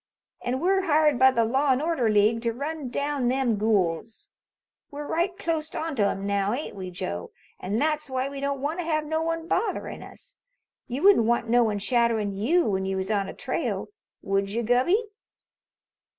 An' we're hired by the Law an' Order League to run down them gools. We're right clost onto 'em now, ain't we, Joe? An' that's why we don't want to have no one botherin' us. You wouldn't want no one shadowin' you when you was on a trail, would you, Gubby?"